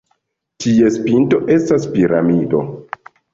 Ties pinto estas piramido.